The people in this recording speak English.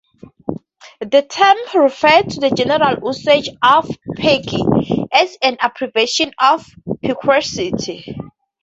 The term refers to the general usage of "perk" as an abbreviation of "perquisite".